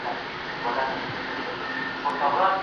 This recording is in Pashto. پیغمبر د ذمي د قاتل د وژلو امر وکړ.